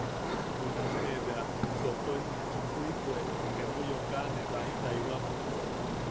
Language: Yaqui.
Junameʼe bea sotoʼi chukuikue emo yokaʼane baji taiwapo.